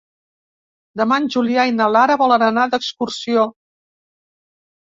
Demà en Julià i na Lara volen anar d'excursió.